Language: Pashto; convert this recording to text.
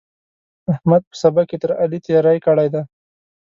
احمد په سبق کې تر علي تېری کړی دی.